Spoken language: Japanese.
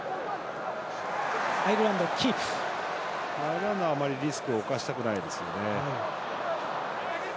アイルランドはリスクを冒したくないですね。